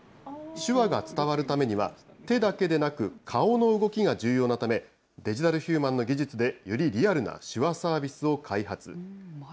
手話が伝わるためには、手だけでなく、顔の動きが重要なため、デジタルヒューマンの技術でよりリアルな手話サービスを開発。